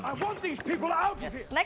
saya ingin orang orang ini keluar dari sini